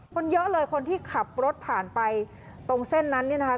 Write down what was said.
คนเยอะเลยคนที่ขับรถผ่านไปตรงเส้นนั้นเนี่ยนะคะ